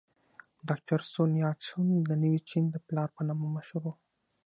ډاکټر سون یات سن د نوي چین د پلار په نامه مشهور و.